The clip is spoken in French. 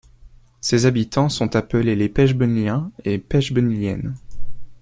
Ses habitants sont appelés les Pechbonniliens et Pechbonniliennes.